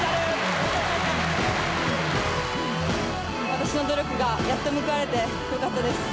私の努力がやっと報われてよかったです。